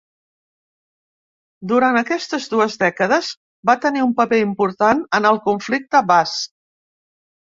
Durant aquestes dues dècades va tenir un paper important en el conflicte basc.